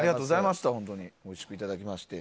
おいしくいただきまして。